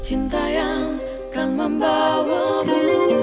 cinta yang akan membawamu